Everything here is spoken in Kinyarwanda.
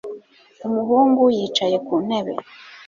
Umuhungu yicaye ku ntebe